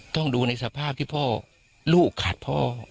ต้องดูในสภาพที่พ่อลูกขาดพ่อ